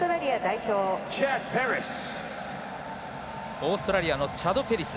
オーストラリアのチャド・ペリス。